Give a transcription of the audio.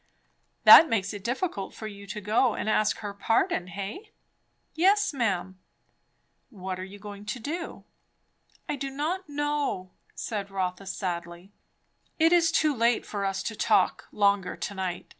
"That makes it difficult for you to go and ask her pardon, hey?" "Yes, ma'am." "What are you going to do?" "I do not know," said Rotha sadly. "It is too late for us to talk longer to night.